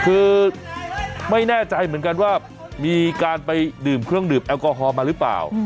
คือไม่แน่ใจเหมือนกันว่ามีการไปดื่มเครื่องดื่มแอลกอฮอลมาหรือเปล่า